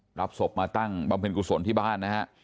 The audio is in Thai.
ก็รับศ่มตั้งบัมเพลินกุศลที่บ้านนะฮะ